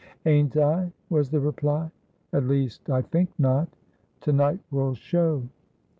"Ain't I?" was the reply. "At least I think not." "To night will show."